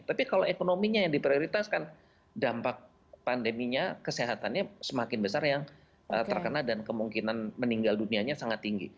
tapi kalau ekonominya yang diprioritaskan dampak pandeminya kesehatannya semakin besar yang terkena dan kemungkinan meninggal dunianya sangat tinggi